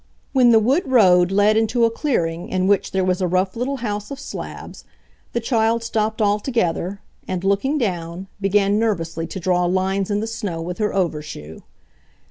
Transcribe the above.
When the wood road led into a clearing in which there was a rough little house of slabs, the child stopped altogether, and, looking down, began nervously to draw lines in the snow with her overshoe.